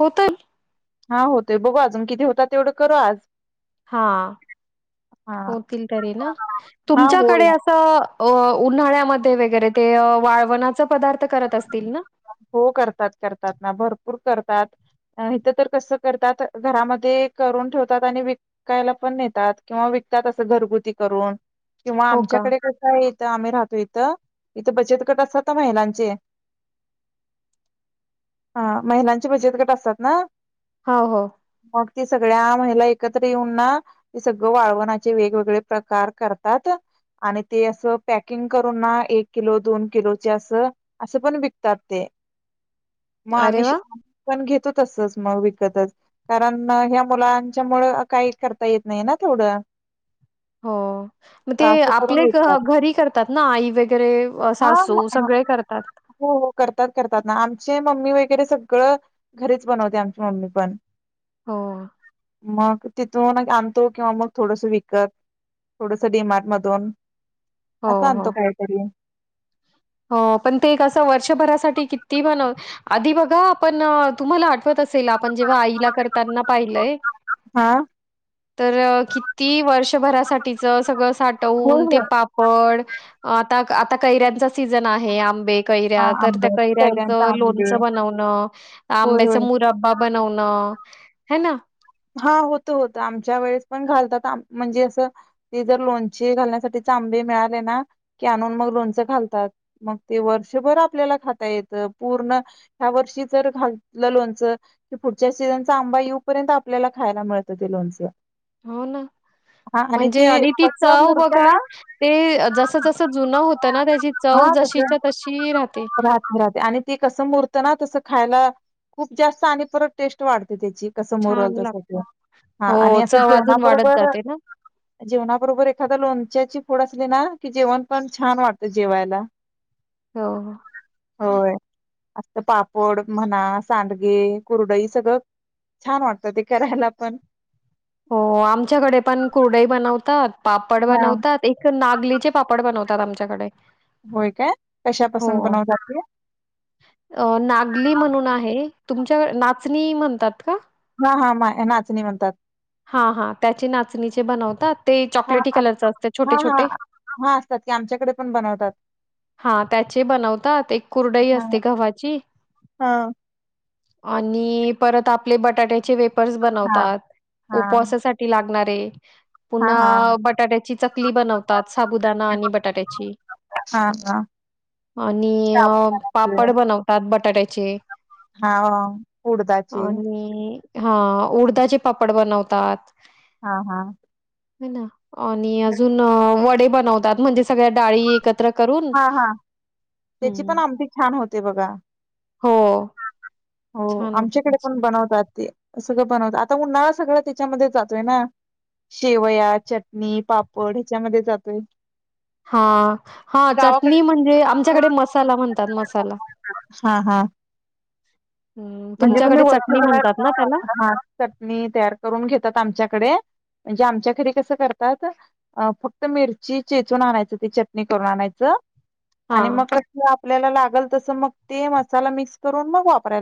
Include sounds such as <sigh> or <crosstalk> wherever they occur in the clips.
होत <unintelligible> हा होतय बघू, अजून कितीे होतात तेवढं करू आज. हा, हा होतील तरी ना. हा होय तुमच्याकडे असं अ उन्हाळ्यामध्ये वगैरे ते, वाळवणाच पदार्थ करत असतील ना? हो करतात, करतात ना भरपूर करतात. अ इथं तर कसं करतात, घरामध्ये करून ठेवतात आणि विकायला पण नेतात किंवा विकतात असं घरगुती करून. किंवा हो का? आमच्याकडे कसं आहे. आम्ही राहतो इथं इथं बचत कट असतात महिलांचे हा महिलांची बचत गट असतात ना.. हो हो ते सगळ्या महिला एकत्र येऊन ना ते सगळ वाळवणाचे वेगवेगळे प्रकार करतात आणि ते असं पॅकिंग करून ना एक किलो दोन किलोचे असं असं पण व तबते <unintelligible> मग अरे आम्ही वाह! आम् पण घेत <unintelligible> त तसच मग विकतच कारण ह्या मुलांच्या मुळ काही करता येत नाही ना थोडं हो मग ते करून आपले विकतात घरी करतात ना आई वगैरे हा सासू म- सगळे करतात. हो हो करतात करतात ना आमचे मम्मी वगैरे सगळं घरीच बनवते आमची मम्मी पण हो मग तिथून आणतो किंवा मग थोडस विकत थोडसं डीमार्ट मधून हो, असं आणतो हो. काहीतरी हो पण ते एक असं वर्षभरासाठी किती पण आधी बघा आपण तुम्हाला आठवत अस असेल आपण जेव्हा आईला करताना पाहिलंय. हा तर किती वर्षभरासाठी तीच सगळं होय साठवून ते होय पापड आता आता कैऱ्यांचा सीझन आहे आंबे. हा कैऱ्या तर त्या आंबे कैऱ्यांचं कैऱ्यांचा आंबे लोणचं बनवणं होय आंब्याच होय मुरब्बां बनवणं. हे ना हा होत होत आमच्या वेळेस पण घालतात म्हणजे असं ते जर लोणचे घालण्यासाठीचे आंबे मिळाले ना की आणून मग लोणचं घालतात मग ते वर्षभर आपल्याला खाता येत पूर्ण ह्या वर्षी जर घातलं लोणचं तर पुढच्या सीजनचा आंबा येऊपर्यंत आपल्याला खायला मिळतं ते लोणचं हो ना हा म्हणजे आणि ती तसं चव मूर्त्या बघा ना ते जस जसं जुनं होतं ना त्याची चव हा तसं जशीच्या तशी राहते राहते राहते आणि ती कसं मूर्त ना तसं खायला खूप जास्त आणि परत टेस्ट वाढते त्याची कस छान मरल लागतं. हो, आणि अस चव अजून वाढत जेवणाबरोबर जाते ना. जेवणाबरोबर एखाद लोणच्याची फोड असली ना की जेवण पण छान वाटतं जेवायला. होय. असत पापड म्हणा सांडगे कुरडई सगळं छान वाटत. तर ते करायला पण हो आमच्याकडे पण कुरडई बनवतात. पापड हा बनवतात, एक नागलीचे पापड बनवतात. ात आमच्याकडे होय काय हो कशापासून बनवतात ते अ नागली म्हणून आहे. तुमच्याकडे नाचणी म्हणतात का हा हा मा नाचणी म्हणतात हा हा त्याच ते हां, चॉकलेटी आम कलरच असत छोटे हां, हां. छोटे हां, असतात की आमच्याकडे पण बनवतात. हा त्याचे बनवतात एक हां, कुरडईअसते गव्हाची हां. आणि परत आपले बटाट्याचे वेप पर्स हां, बनवतात हां, उपवासासाठी लाग लागणारे हां, पुन्हा हां. बटाट्याची चकली बनवतात साबुदाणा आणि बटाट्याची हां, हां. आणि अ साबुदाण्याचे पापड बनवत हां, उडदाचे हा उडदाचे पापड बनवतात हा हा मी न. आणि अजून वडे बनवतात म्हणजे सगळ्या डाळी हां, हां. त्याची हं. पण आमटी छान होते बघा. हो. हो छान होते आमच्याकडे त्याची. पण बनवतात ते सगळं बनवतात आता उन्हाळा सगळा त्याच्यामध्ये जातोय ना शेवया, चटणी, पापड ह्याच्यामध्ये जातोय. हा हा गावाकडे चटणी म्हणजे आम <unintelligible> हं, तुमच्याकडे म्हणजे चटणी म्हणतात ना त्याला? आमच्या घरी कसं करतात अ फक्त मिरची चेचून आणायचं ती चटणी करून आणायचं आणि हां. मग कस आपल्याला लाग लागल तस मग ते मसाला मिक्स करून मग वापर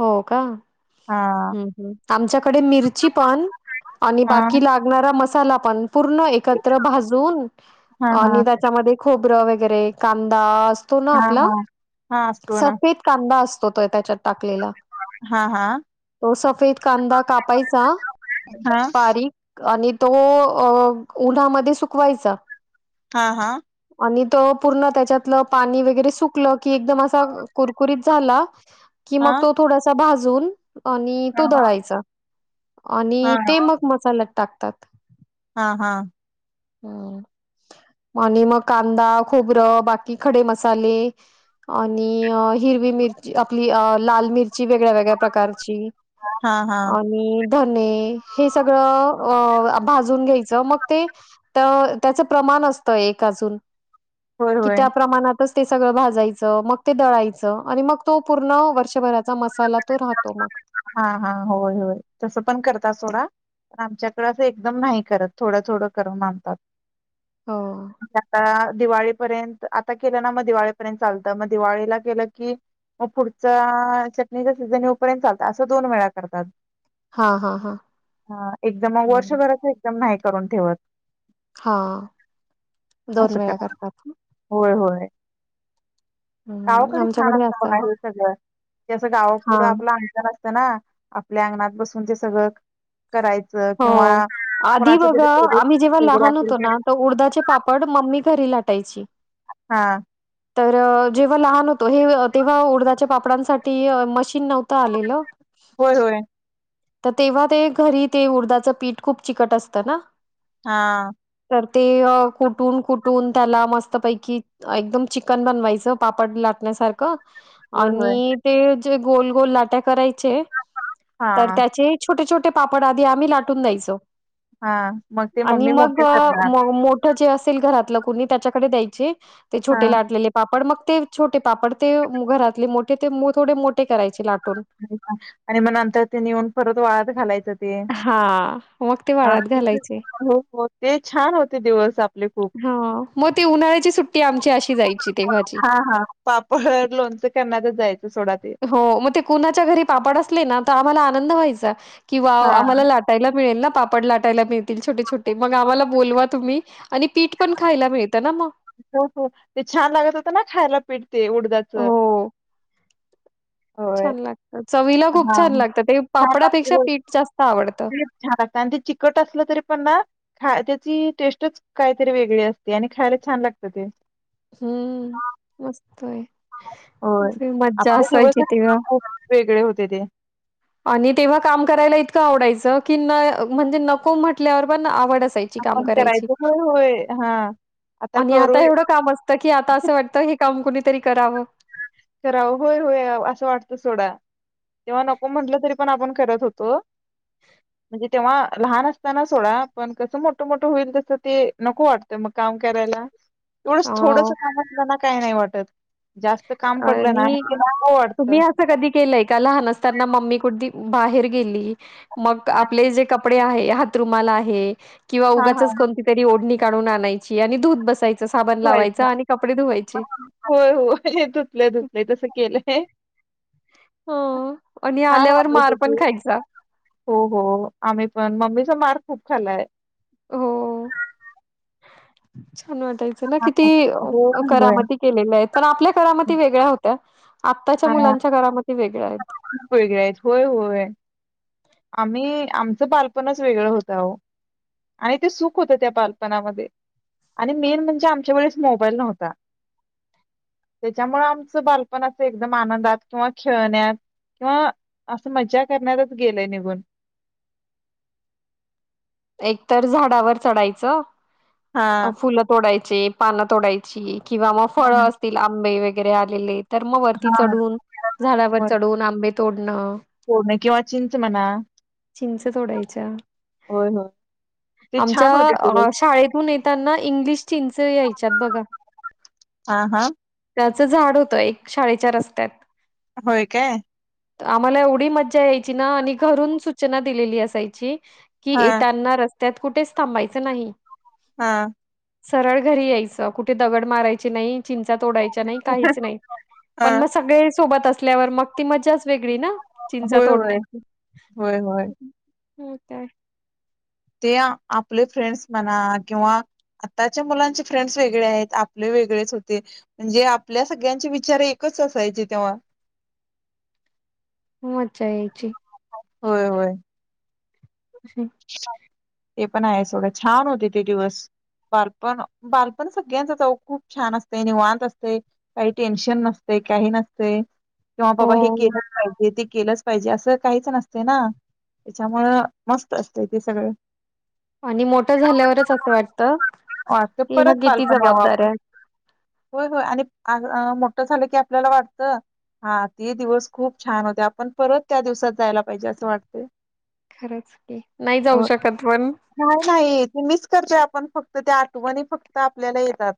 हो का हम हा हम आमच्याकडे मिरची पण हा साला पण पूर्ण एकत्र भाजून हा हा आणि त्याच्यामध्ये खोब र वगैरे कांदा, असतो ना हा आपला हा हा असतो ना सफेद कांदा अस तो त्याच्यात टाक लेला हा हा तो हा <inaudible> आणि तो पूर्ण त्याच्यातलं पाणी वगैरे सुकलं की एकदम असा कुरकुरीत झाला, की मग तो थोडासा भाज धुवुन - - आणि हा तो दळायचा. आणि ते मग मसाल्यात टाक तात. हां, हां. आणि मग कांदा, खोबरं, बाकी खडे मसाले, आणि हिरवी मिरची, आपली लाल मिर ची वेगळ्या वेगळ्या प्रकारची हा हा आणि धने हे सगळं अ भाजून घ्यायचं मग ते तर त्याचं प्रमाण असतं एक अजून होय कि होय त्या प्रमाणात ते सगळं भाजायचं, मग ते दळायचं, आणि मग तो पूर्ण वर्षभराचा मसाला तो राहतो मग. हा हा होय. होय. तस पण करतातं सोडा. पण आमच्याकडें एकदम नाही करत थोडं थोडं करून आणनतात. हो <unintelligible> दिवाळीपर्यंत आता केलं ना मग दिवाळीपर्यंत चालतं मग दिवाळीला केलं की मग पुढचा चटणीचा - - सिझन येऊपर्यत चालतात. अस दोन वेळा करतात. हा हा हा हा एकदम मग वर्षभराच एकदम नाही. करून ठेवत - - हा. दोन वेळा करतात ना. <unintelligible> गावाकडे छान आमच्याकडे असतं असं बघा हे सगळं - - ते असं गाव - - हा पुढं आपलं अंतर असतो - - ना आपल्या अंगणात बसून ते सगळं - - हो. आधी तरी बघा आम्ही जेव्हा प्रोजेक्ट वगैरे लहान असेल होतो ना तर उडदाचे पापड मम्मी घरी लाटायची. हा. तर जेव्हा लहान होतो हे तेव्हा उडदाच्या पापडांसाठी मशी - - न नवत आलेल होय होय तर तेव्हा ते घरी - - ते उडदाचं पीठ खूप चिकट असतं ना. हा. तर ते कुठून कुठून त्याला मस्तपैकी एकदम चिकन बनवायचं पापड लाटण्यासारखं. होय होय आणि ते - - गोल गोल लाट्या कराय - - चे हा तर त्याचे छोटे छोटे - - ते पाप आप आध आ्ही लाटून द्यायचो. हा मग ते आणि मम्मी मग मोठे करणार मोठ जे अस. असल घरातलं कुणी त्याच्याकडे द्यायची. ते हा छोटे लाटलेले पापड मग. ते छोटे पापड ते घरातले मोठे ते थोडे मोठे करायचे लाट. आणि मग नंतर ते न येऊन परत वाळत घालायचं. हा मग ते वाळत घालायचे ते छान होते दिवस आपले खूप हा मग ती उन्हाळ्याची सुट्टी आमची अशी जायची तेव्हाची ह पापड लोणच कर जायच. हो म कुणाच्या घरी पापड असले ना तर आम्हाला आनंद व्हायचा. किंवा हा आम्हाला लाटायला मिळेल ना. पापड लाटायला मिळतील छोटे छोटे मग आम्हाला बोलवा तुम्ही आणि पीठ पण खायला मिळत ना म हो हो ते छान लागत होत ना खायला पीठ. ते उडदाच. हो, छान लागतात. हा छान पीठ जास्त आवडतं. छान लागत आणि ते चिकट असलं तरी पण ना खा. टेस्टच काहीतरी वेगळी असते आणि खायला छान लागत ते हम्म मस्त आहे. हो अशी मज्जा आपले असायची तेव्हा दिवसच वेगळे होते ते. आणि तेव्हा काम करायला इतकं आवडायचं की न म्हणजे नको म्हटल्यावर पण आवड काय आपण करायची करायचं. होय होय हा आणि आता एवढ काम असत की आता अस वाटत हे काम कणीतरी करावं. करा होय होय असं वाटत सोडा. तेव्हा नको म्हटलं तरी पण आपण करत होतो म्हणजे तेव्हा लहान असताना सोडा पण कसं मोठं मोठ होईल तसं ते नको वाटतं मग काम करायला. एवढंच हां. थोडस काम असल ना. काय नाही वाटत जास्त काम पडलं ना आणि की नको तुम्ही वाटतं. अस कधी केलंय का लहान असताना मम्मी कुठ. बाहेर गेली. मग आपले जे कपडे कपडे आहे हातरूमाला आहे. किंवा हा हा उगाचच कोणतीतरी ओढणी काढून आणायची आणि धुत बसायची. होय होय. धुतलय धुतलय तसं केलंय. हो आणि छान आल्यावर मार वाटतयच पण ते, खायचा हो हो आम्ही पण मम्मीचा मार् खूप खालाय. हो. छान वाटायचं ना किती होय होय करामती केलेल्यात, पण आपल्या करामती वेगळ्या होत्या. आत्ताच्या हा. मुलांच्या काळा मध्ये वेग खूप वेगळ्यायेत होय होय. आम्ही आमचं बालपणच वेगळं होत आहो, आणि ते सुख होतं त्या बालपणामध्ये, आणि मेन म्हणजे आमच्या वेळेस मोबाईल नव्हता, त्याच्यामुळे आमचं बालपण असं एकदम आनंदात किंवा खेळण्यात किंवा असं मजा करण्यातच गेलय निघून. एक तर झाडावर चढायचं. हा. फुलं तोडाय ची पानं तोडायची. किंवा मग फळं असतील आंबे वै वगैर आलेले. तर मग वरती हा चढून, झाडावर चढून आंबे तोडणं. बोर किंवा चिंच म्हणा चिंच तोडायच्या होय होय. ते आमच्या छान होते अ दिवस. शाळेतून नाही तेना इंग्लिश चिंच यायच्यात बघा. हा हा झाड होत एक शाळेच्या रस्त्यात होय काय? आम्हाला एवढी मज्जा यायची ना, आणि घरून सूचना दिलेली असायची की ह. येताना रस्त्यात कुठेच थांबायचं नाही. हा. सरळ घरी यायचं, कुठे दगड मारायची नाही, चिंच चिंचा तोडायच्या नाही, काहीच नाही, हा. पण मग सगळे सोबत म्हटल्यावर मग ती मजा च वेग ळी ना चिंचा होय होय तोडण्याची. होय होय. मग काय? ते आपले फ्रेंड्स म्हणा किंवा आताच्या मुलांचे फ्रेंड्स वेगळे आहेत आपले वेगळेच होते, म्हणजे आपल्या सगळ्यांचे विचार एकच असायचे तेव्हा. मज्जा यायची. होय होय. अम् <unintelligible> ते पण आहे सोडं छान होते ते दिवस बालपण बालपण सगळ्यांच खूप छान असते निवांत असते काही टेन्शन नसते काही नसते. किंवा बाबा हे हो केले पाहिजे ते केलंच पाहिजे असं काहीच नसते ना त्याच्यामूळ मस्त असतय ते सगळं. आणि मोठं झाल्यावरच असं वाटत वाटतं की ह्या परत किती बालपण यावं आपण जबाबदारऱ्या होय होय आणि मोठं झालं की आपल्याला वाटत हा ते दिवस खूप छान होते आपण परत त्या दिवसात जायला पाहिजे असं वाटते. खरच नाही नाही ते मीच तर जे आपण फक्त त्या आठवणी फक्त आपल्याला येतात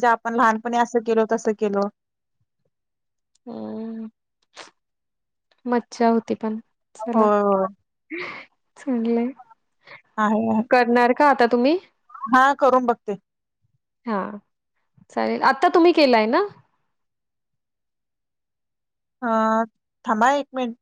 ज्या आपण लहानपणी असं केलो तसं केल. हम मज्जा होती पण. हो चला चांगले आहे आहे का आता तुम्ही? हा करून बघते! हा चालेल, आता तुम्ही केलाय ना? हा, थांबा! एक मिनट